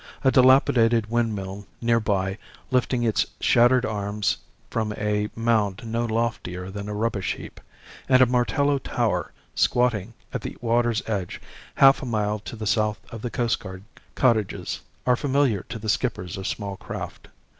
A dilapidated windmill near by lifting its shattered arms from a mound no loftier than a rubbish heap, and a Martello tower squatting at the water's edge half a mile to the south of the Coastguard cottages, are familiar to the skippers of small craft.